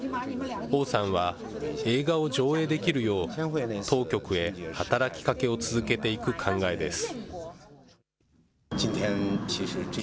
王さんは、映画を上映できるよう当局へ働きかけを続けていく考えです。